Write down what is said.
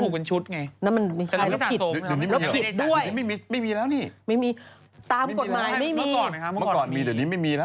แค่ได้รับมาแค่